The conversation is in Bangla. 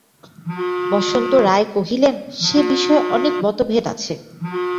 বসন্ত রায় কহিলেন, সে-বিষয়ে অনেক মতভেদ আছে।